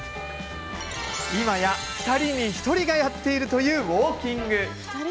今や２人に１人がやっているというウォーキング。